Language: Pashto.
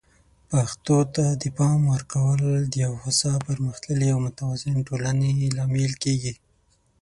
پښتو ته د پام ورکول د یو هوسا، پرمختللي او متوازن ټولنې لامل کیږي.